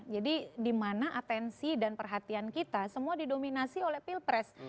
jadi dimana atensi dan perhatian kita semua didominasi oleh pilpres